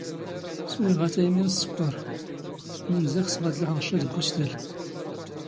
ⵙⵡⵉⵖ ⴰⵜⴰⵢ ⵎⵉⵏ ⵙⵙⴽⴽⵯⴰⵕ, ⵎⵉⵏⵣⵉ ⵅⵙⵖ ⴰⴷ ⵍⵓⵃⵖ ⵛⴰ ⴷⴳ ⵓⵙⵜⴰⵍ.